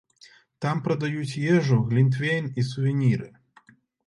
Там прадаюць ежу, глінтвейн і сувеніры.